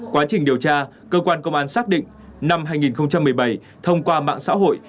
quá trình điều tra cơ quan công an xác định năm hai nghìn một mươi bảy thông qua mạng xã hội